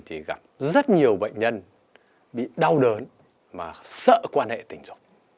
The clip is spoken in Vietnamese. thì gặp rất nhiều bệnh nhân bị đau đớn mà sợ quan hệ tình dục